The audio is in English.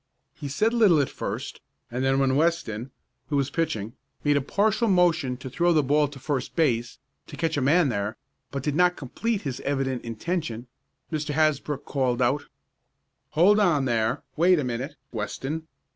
He said little at first, and then when Weston, who was pitching, made a partial motion to throw the ball to first base, to catch a man there, but did not complete his evident intention, Mr. Hasbrook called out: "Hold on there! Wait a minute, Weston.